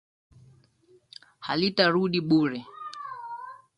Halitarudi bure.